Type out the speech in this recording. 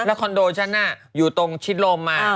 คอนโดฉันน่ะอยู่ตรงชิดลม